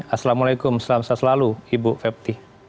assalamualaikum selamat siang selalu ibu fepti